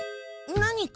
何か？